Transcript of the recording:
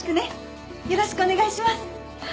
よろしくお願いします。